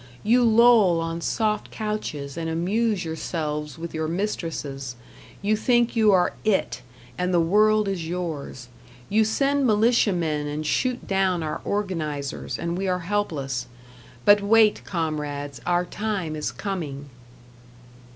You loll on soft couches and amuse yourselves with your mistresses; you think you are "it" and the world is yours. You send militiamen and shoot down our organizers, and we are helpless. But wait, comrades, our time is coming.